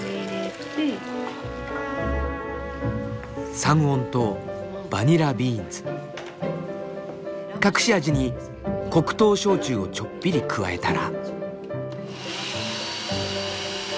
三温糖バニラビーンズ隠し味に黒糖焼酎をちょっぴり加えたら。